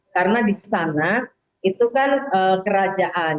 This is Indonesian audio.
karena di sana itu kan kerajaan